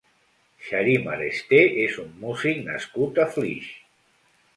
Xarim Aresté és un músic nascut a Flix.